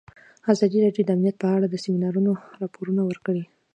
ازادي راډیو د امنیت په اړه د سیمینارونو راپورونه ورکړي.